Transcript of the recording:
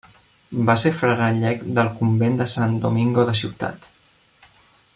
Va ser frare llec del Convent de Sant Domingo de Ciutat.